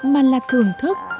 mà là thưởng thức